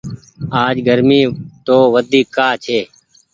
آج گرمي تو وڍيڪ ڪآ ڇي۔